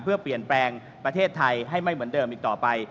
เพื่อเปลี่ยนแปลงประเทศไทยให้ไม่เหมือนเดิมอีกต่อไป